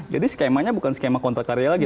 jadi skemanya bukan skema kontrak karya lagi